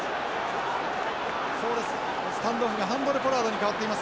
スタンドオフがハンドレポラードに代わっています。